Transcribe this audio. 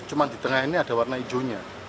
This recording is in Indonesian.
cuma di tengah ini ada warna hijaunya